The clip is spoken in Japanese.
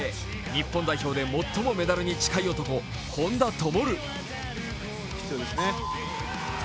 日本代表で最もメダルに近い男、本多灯。